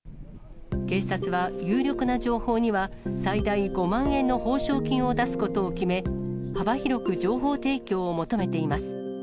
警察は有力な情報には最大５万円の報奨金を出すことを決め、幅広く情報提供を求めています。